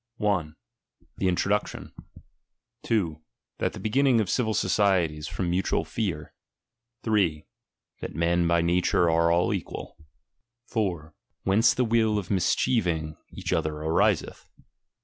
■ Tlie Introduction. 2. That the beginning of civil aociety is fi'om mutual fenr. 3. That men by nature are all equal. ■* Whence the will of mischieving each other ariseth.